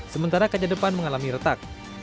sementara kaca depan mengalami retak